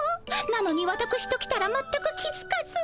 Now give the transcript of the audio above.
なのにわたくしときたら全く気づかず。